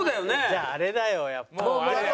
じゃああれだよやっぱり。